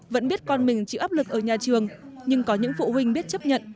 vẫn biết con mình chịu áp lực ở nhà trường nhưng có những phụ huynh biết chấp nhận